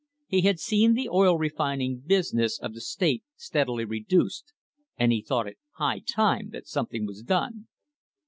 He had seen the oil refining busi ness of the state steadily reduced, and he thought it high time that something was done.